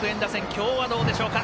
今日はどうでしょうか。